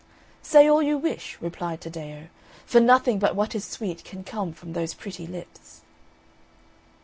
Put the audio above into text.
"Say all you wish," replied Taddeo, "for nothing but what is sweet can come from those pretty lips."